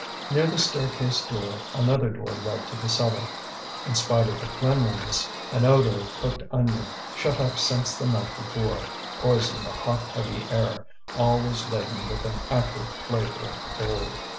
Near the staircase door another door led to the cellar. In spite of the cleanliness, an odour of cooked onion, shut up since the night before, poisoned the hot, heavy air, always laden with an acrid flavour of coal.